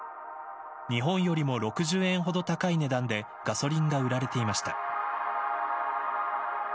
日本よりも６０円ほど高い値段でガソリンが売られていました。